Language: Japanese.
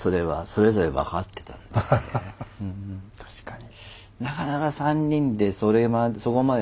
確かに。